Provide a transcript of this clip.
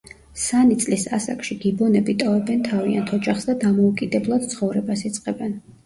სანი წლის ასაკში გიბონები ტოვებენ თავიანთ ოჯახს და დამოუკიდებელად ცხოვრებას იწყებენ.